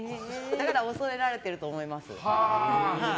だから恐れられていると思います。